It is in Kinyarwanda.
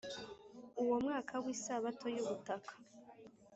uwo mwaka w isabato y ubutaka